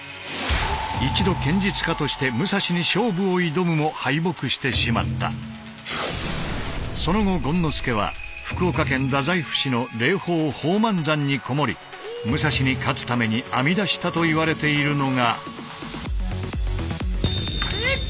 一度剣術家としてその後権之助は福岡県太宰府市の霊峰宝満山に籠もり武蔵に勝つために編み出したといわれているのが。